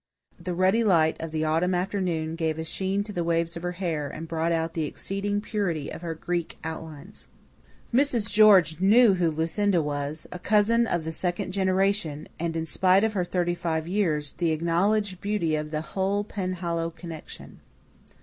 The ruddy light of the autumn afternoon gave a sheen to the waves of her hair and brought out the exceeding purity of her Greek outlines. Mrs. George knew who Lucinda was a cousin of the second generation, and, in spite of her thirty five years, the acknowledged beauty of the whole Penhallow connection.